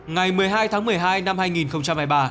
ngày một mươi hai tháng một mươi hai năm hai nghìn hai mươi ba